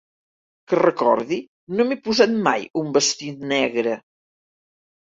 Que recordi, no m'he posat mai un vestit negre.